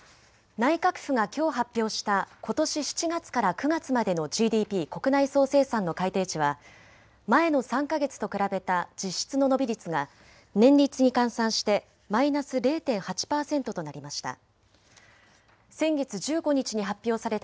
内閣府がきょう発表したことし７月から９月までのＧＤＰ・国内総生産の改定値は前の３か月と比べた実質の伸び率が年率に換算してマイナス０．８％となりました。